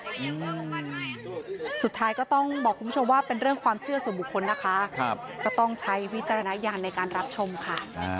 สุดท้ายก็ต้องบอกคุณผู้ชมว่าเป็นเรื่องความเชื่อส่วนบุคคลนะคะครับก็ต้องใช้วิจารณญาณในการรับชมค่ะ